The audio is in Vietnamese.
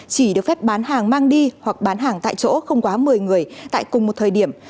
chỉ được phép bán hàng mang đi hoặc bán hàng tại chỗ không quá một mươi người tại cùng một thời điểm